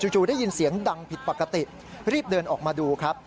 จู่ได้ยินเสียงดังผิดปกติรีบเดินออกมาดูครับ